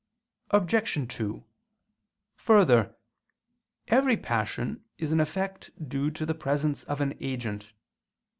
Obj. 2: Further, every passion is an effect due to the presence of an agent.